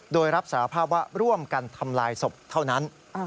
โดยรับสารภาพว่าร่วมกันทำลายศพเท่านั้น